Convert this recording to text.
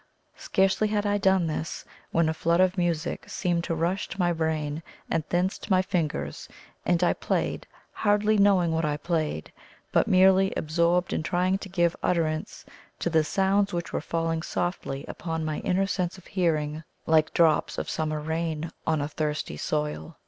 Scarcely had I done this, when a flood of music seemed to rush to my brain and thence to my fingers, and I played, hardly knowing what I played, but merely absorbed in trying to give utterance to the sounds which were falling softly upon my inner sense of hearing like drops of summer rain on a thirsty soil.